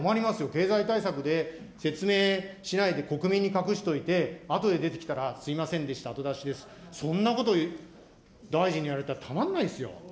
経済対策で説明しないで国民に隠しておいて、あとで出てきたら、すみませんでした、後出しです、そんなこと、大臣にやられたらたまんないですよ。